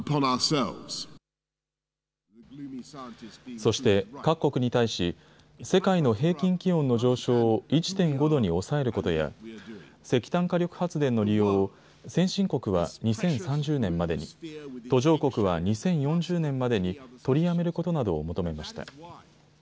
そして各国に対し世界の平均気温の上昇を１．５度に抑えることや石炭火力発電の利用を先進国は２０３０年までに、途上国は２０４０年までに取りやめることなどを求めました。